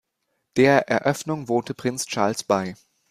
Der Eröffnung wohnte Prinz Charles bei.